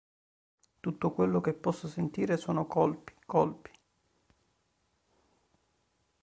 Tutto quello che posso sentire sono colpi, colpi".